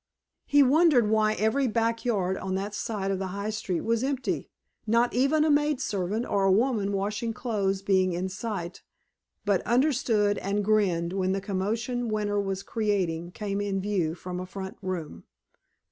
He wondered why every back yard on that side of the high street was empty, not even a maid servant or woman washing clothes being in sight, but understood and grinned when the commotion Winter was creating came in view from a front room.